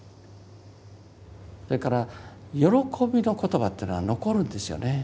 それから喜びの言葉っていうのは残るんですよね。